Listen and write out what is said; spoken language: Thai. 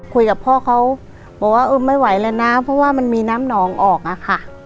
คุยกับพ่อเขาบอกว่าเออไม่ไหวแล้วนะเพราะว่ามันมีน้ำหนองออกอะค่ะ